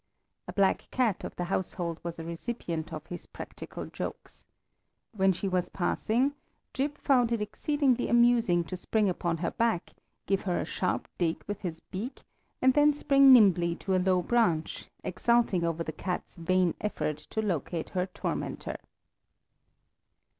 A black cat of the household was a recipient of his practical jokes. When she was passing Jip found it exceedingly amusing to spring upon her back, give her a sharp dig with his beak, and then spring nimbly to a low branch, exulting over the cat's vain effort to locate her tormentor.